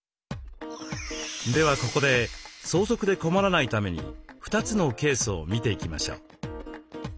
ではここで相続で困らないために２つのケースを見ていきましょう。